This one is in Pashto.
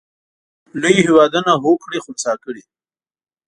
لوی هېوادونه هوکړې خنثی کړي.